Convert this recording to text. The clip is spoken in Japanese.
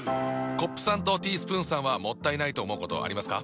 コップさんとティースプーンさんはもったいないと思うことありますか？